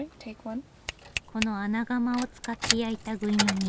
この穴窯を使って焼いたぐい呑み。